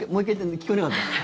聞こえなかった。